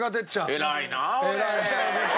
偉いな俺。